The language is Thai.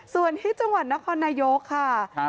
ส่วนที่จังหวัดนครนายกค่ะ